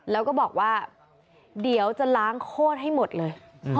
แล้วก็บอกว่าเดี๋ยวจะล้างโคตรให้หมดเลย